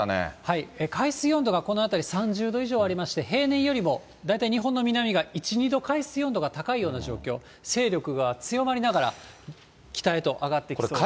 海水温度がこの辺り３０度以上ありまして、平年よりも大体日本の南が１、２度海水温度が高いような状況、勢力が強まりながら北へと上がっていきそうです。